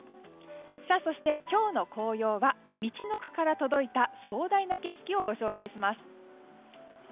そして、今日の紅葉はみちのくから届いた壮大な景色をご紹介します。